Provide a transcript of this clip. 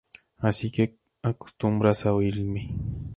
Así que te acostumbrarás a oirme.